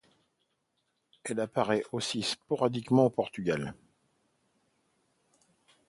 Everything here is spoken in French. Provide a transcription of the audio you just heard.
Elle apparaît aussi sporadiquement au Portugal.